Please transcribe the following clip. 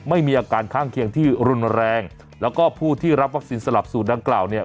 ไม่มีอาการข้างเคียงที่รุนแรงแล้วก็ผู้ที่รับวัคซีนสลับสูตรดังกล่าวเนี่ย